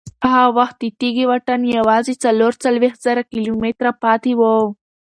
هغه وخت د تېږې واټن یوازې څلور څلوېښت زره کیلومتره پاتې و.